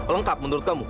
lengkap menurut kamu